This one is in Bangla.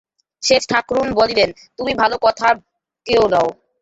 সেজ ঠাকরুন বলিলেন-তুমি ভালো কথাব কেউ নও!